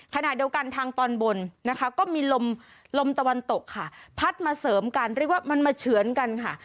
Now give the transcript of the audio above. ขณะเดียวกันทางตอนบนนะคะก็มีลมลมตะวันตกค่ะพัดมาเสริมกันเรียกว่ามันมาเฉือนกันค่ะ